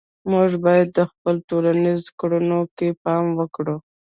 موږ باید په خپلو ټولنیزو کړنو کې پام وکړو.